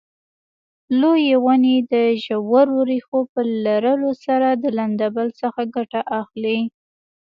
لویې ونې د ژورو ریښو په لرلو سره د لمدبل څخه ګټه اخلي.